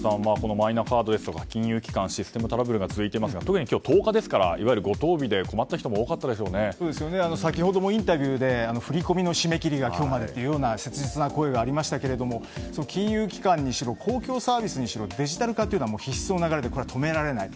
マイナカードですとか金融機関、システムトラブルが続いていますが困った方も先どもインタビューで振り込みの締め切りが今日までという切実な声がありましたが公共機関にしろデジタル化というのは必須の流れで止められない。